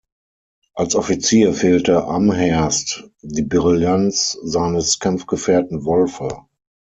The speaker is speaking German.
Als Offizier fehlte Amherst die Brillanz seines Kampfgefährten Wolfe.